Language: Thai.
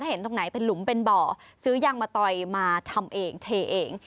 เห็นตรงไหนเป็นหลุมเป็นบ่อซื้อยางมะตอยมาทำเองเทเอง